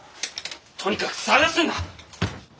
とにかく捜すんだ！